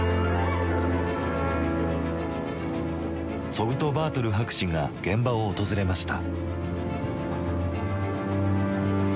ツォグトバートル博士が現場を訪れました。